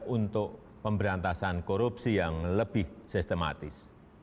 untuk pemberantasan korupsi yang lebih sistematis